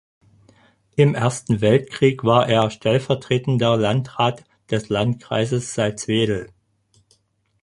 Im Ersten Weltkrieg war er stellvertretender Landrat des Landkreises Salzwedel.